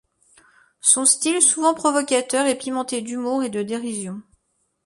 Son style, souvent provocateur, est pimenté d’humour et de dérision.